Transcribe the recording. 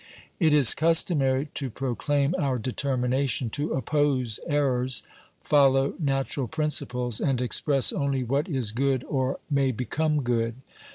It is customary to proclaim our determination to oppose errors, follow natural principles, and express only what is good or may become good.